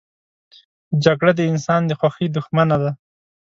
جګړه د انسان د خوښۍ دښمنه ده